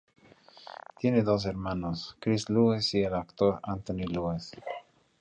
Tiene dos hermanos: Chris Lewis y el actor Anthony Lewis.